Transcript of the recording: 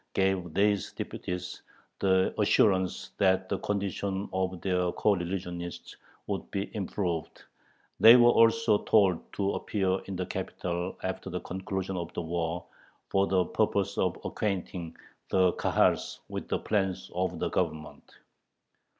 gave these deputies the assurance that the condition of their coreligionists would be improved, they were also told to appear in the capital after the conclusion of the war for the purpose of acquainting the Kahals with the plans of the Government.